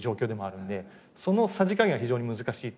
そのさじ加減が非常に難しいというか。